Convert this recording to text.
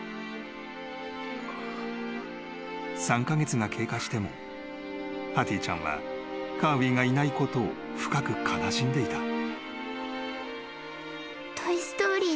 ［３カ月が経過してもハティちゃんはカーウィがいないことを深く悲しんでいた］